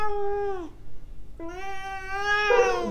tunashukuru sana labda wito wako kwa vyombo vya habari kuhusiana na